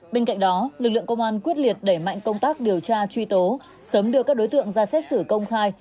bên cạnh đó lực lượng công an quyết liệt đẩy mạnh công tác điều tra truy tố sớm đưa các đối tượng ra xét xử công khai